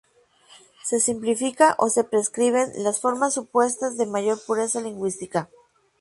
Se simplifica o se prescriben las formas supuestas de mayor pureza lingüística.